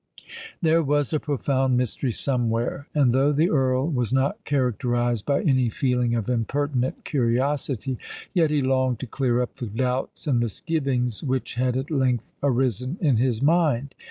There was a profound mystery somewhere: and though the Earl was not characterised by any feeling of impertinent curiosity, yet he longed to clear up the doubts and misgivings which had at length arisen in his mind.